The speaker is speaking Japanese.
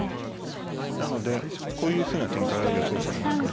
なのでこういうふうな展開は予想されますね。